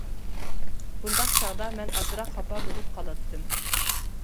بۇنداق چاغدا مەن ئازراق خاپا بولۇپ قالاتتىم.